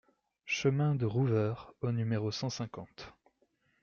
Chemin de Rouveure au numéro cent cinquante